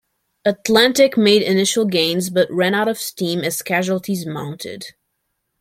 Atlantic made initial gains but ran out of steam as casualties mounted.